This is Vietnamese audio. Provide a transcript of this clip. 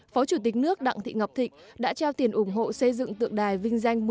phó chủ tịch nước đặng thị ngọc thịnh đã trao tiền ủng hộ xây dựng tượng đài vinh danh